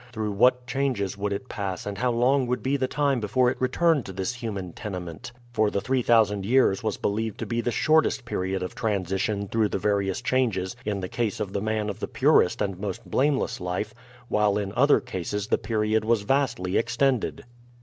Through what changes would it pass and how long would be the time before it returned to this human tenement? For the three thousand years was believed to be the shortest period of transition through the various changes in the case of the man of the purest and most blameless life, while in other cases the period was vastly extended.